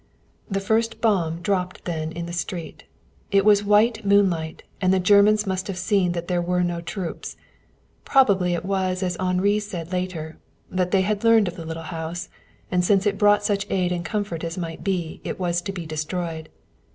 The first bomb dropped then in the street. It was white moonlight and the Germans must have seen that there were no troops. Probably it was as Henri said later, that they had learned of the little house, and since it brought such aid and comfort as might be it was to be destroyed.